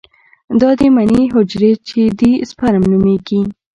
دا د مني حجرې چې دي سپرم نومېږي.